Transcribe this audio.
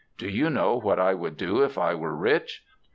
Do you know what I would do if I were rich?